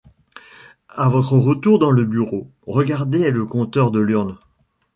À votre retour dans le bureau, regardez le compteur de l’urne.